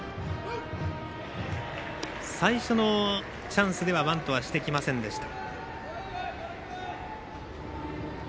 最初のチャンスではバントはしてきませんでした。